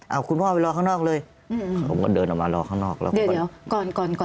เอาคุณพ่อไปรอข้างนอกเลยผมก็เดินออกมารอข้างนอก